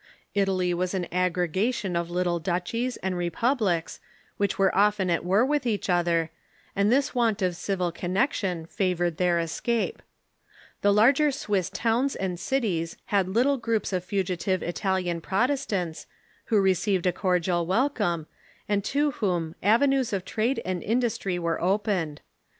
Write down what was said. Italvwas an asfirre tan?s"in E*xMe' S''^tion of little duchies and republics, which were often at war with each other, and this want of civil connection favored their escape. The larger Swiss towns and cities had little groups of fugitive Italian Protestants, who received a coi'dial welcome, and to whom avenues of trade and industry were opened.